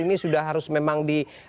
ini sudah harus memang